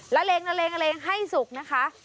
เล็งให้สุกนะคะ